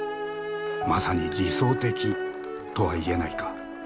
「まさに理想的」とは言えないか？